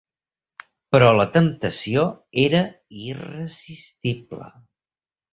Però la temptació era irresistible.